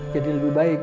jadi lebih baik